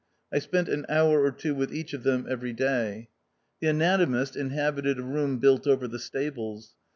I spent an hour or two with each of them every day. 142 THE OUTCAST. The Anatomist inhabited a room built over the stables.